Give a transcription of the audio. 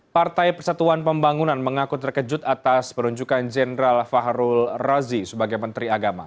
partai persatuan pembangunan mengaku terkejut atas penunjukan jenderal fahrul razi sebagai menteri agama